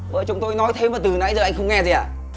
vợ chồng tôi nói thế mà từ nãy giờ anh không nghe gì ạ